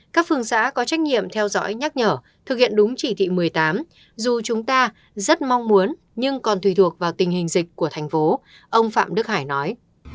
các phương xã có trách nhiệm theo dõi nhắc nhở thực hiện đúng chỉ thị một mươi tám dù chúng ta rất mong muốn nhưng còn tùy thuộc vào tình hình dịch của thành phố ông phạm đức hải nói